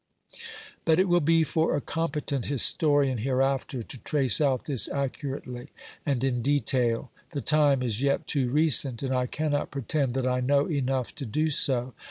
But it will be for a competent historian hereafter to trace out this accurately and in detail; the time is yet too recent, and I cannot pretend that I know enough to do so.